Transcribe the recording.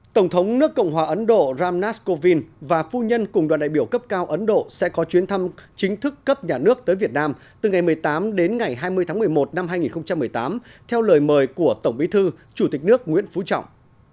tổng thống nước cộng hòa ấn độ ramnascowin và phu nhân cùng đoàn đại biểu cấp cao ấn độ sẽ có chuyến thăm chính thức cấp nhà nước tới việt nam từ ngày một mươi tám đến ngày hai mươi tháng một mươi một năm hai nghìn một mươi tám theo lời mời của tổng bí thư chủ tịch nước nguyễn phú trọng